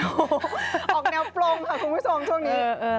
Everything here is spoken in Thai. ออกแนวปลงค่ะคุณภูมิศมาช่วงนี้